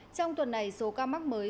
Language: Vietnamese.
trong tuần này số ca mắc mới